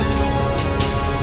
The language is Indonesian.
aku mau ke rumah